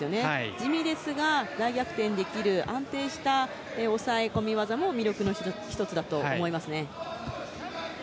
地味ですが大逆転できる安定な抑え込み技も魅力の１つだと思いますね。